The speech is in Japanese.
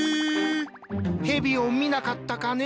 蛇を見なかったかね？